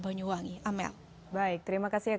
banyuwangi amel baik terima kasih